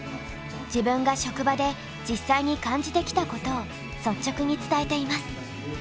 自分が職場で実際に感じてきたことを率直に伝えています。